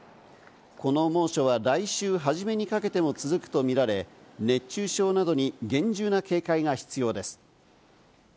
この猛暑は来週初めにかけても続くとみられ、熱中症などに厳重な警戒が必要です。